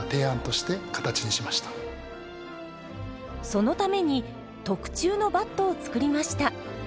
そのために特注のバットを作りました。